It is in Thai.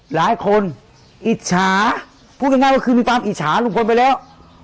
หลายคนอิจฉาพูดง่ายก็คือมีความอิจฉาลุงพลไปแล้ว